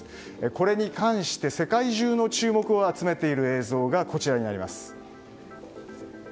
これに関して世界中の注目を集めている映像がこちらです。